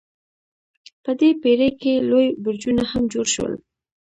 په دې پیړۍ کې لوی برجونه هم جوړ شول.